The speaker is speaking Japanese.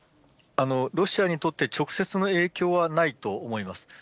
ロシアにとって直接の影響はないと思います。